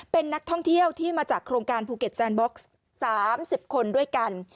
เป็นนักท่องเที่ยวที่มาจากโครงการภูเก็ตแซนบ็อกซ์๓๐คนด้วยกัน